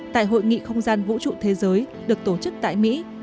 tại hội nghị không gian vũ trụ thế giới được tổ chức tại mỹ